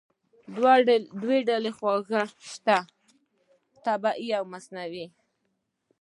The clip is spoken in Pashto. دوه ډوله خوږې شته: طبیعي او مصنوعي.